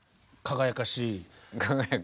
輝かしいね。